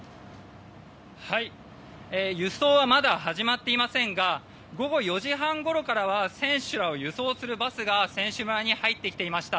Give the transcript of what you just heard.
輸送はまだ始まっていませんが午後４時半ごろからは選手らを輸送するバスが選手村に入ってきていました。